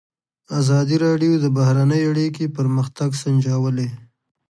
ازادي راډیو د بهرنۍ اړیکې پرمختګ سنجولی.